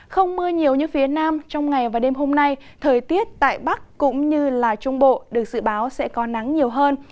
không mưa nhiều như phía nam trong ngày và đêm hôm nay thời tiết tại bắc cũng như trung bộ được dự báo sẽ có nắng nhiều hơn